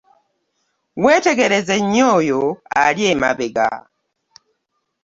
Weetegereze nnyo oyo ali emabega.